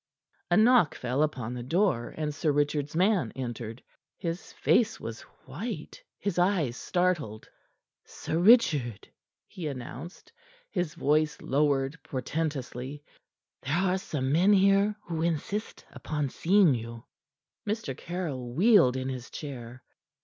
A knock fell upon the door, and Sir Richard's man entered. His face was white, his eyes startled. "Sir Richard," he announced, his voice lowered portentously, "there are some men here who insist upon seeing you." Mr. Caryll wheeled in his chair.